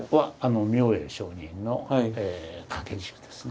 明恵上人の掛け軸ですね。